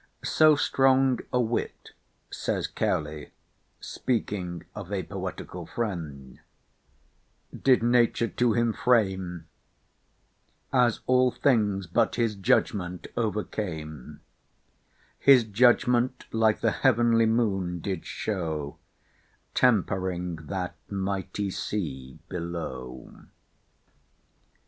"So strong a wit," says Cowley, speaking of a poetical friend, "—did Nature to him frame, As all things but his judgment overcame, His judgment like the heavenly moon did show, Tempering that mighty sea below."